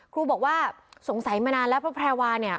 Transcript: ครูบอกว่าสงสัยมานานแล้วเพราะแพรวาเนี่ย